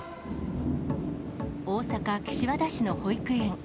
大阪・岸和田市の保育園。